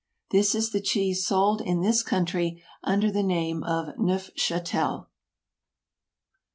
This is the cheese sold in this country under the name of Neufchatel.